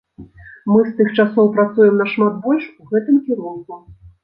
Мы з тых часоў працуем нашмат больш у гэтым кірунку.